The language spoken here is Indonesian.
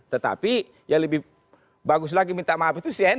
tetapi yang lebih bagus lagi minta maaf itu cnn